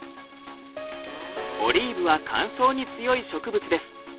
オリーブは乾燥に強い植物です。